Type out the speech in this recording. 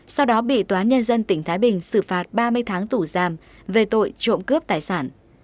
sau đó bị tòa án nhân dân tỉnh thái bình xử phạt ba mươi tháng tủ giam về tội trộm cướp tài sản